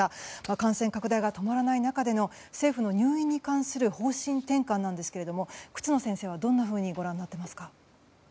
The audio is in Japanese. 感染拡大が止まらない中での政府の入院に関する方針転換なんですけれども忽那先生はどんなふうにご覧になっていますか？